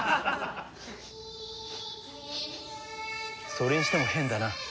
それにしても変だな。